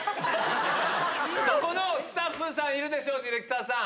そこのスタッフさんいるでしょ、ディレクターさん。